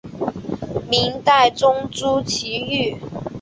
明代宗朱祁钰。